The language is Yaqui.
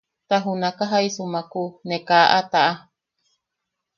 Ta junaka jaisumaku ne ka a taʼa.